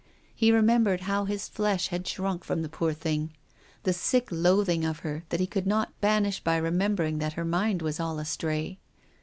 He remembered how his flesh had shrunk from the poor thing, the sick loathing of her that he could not banish by remembering that her mind was all astray.